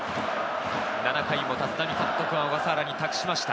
７回も立浪監督は小笠原に託しました。